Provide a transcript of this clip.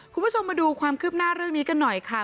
คุณผู้ชมมาดูความคืบหน้าเรื่องนี้กันหน่อยค่ะ